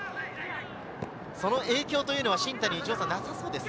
その影響というのは新谷、なさそうですね。